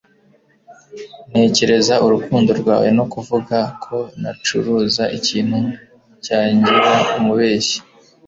ntekereza urukundo rwawe no kuvuga ko nacuruza ikintu cyangira umubeshyi